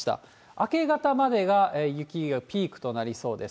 明け方までが雪がピークとなりそうです。